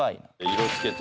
色付けて。